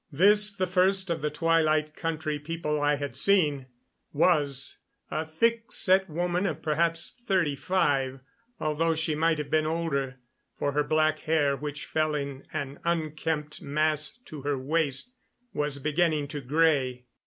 This, the first of the Twilight Country People I had seen, was a thick set woman of perhaps thirty five, although she might have been older, for her black hair, which fell in an unkempt mass to her waist, was beginning to gray.